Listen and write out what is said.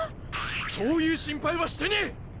そういう心配はしてねえ！